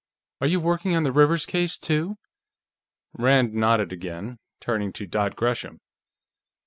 Are you working on the Rivers case, too?" Rand nodded again, turning to Dot Gresham.